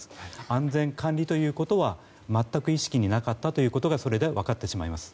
安全管理ということは全く意識になかったということがこれで分かってしまいます。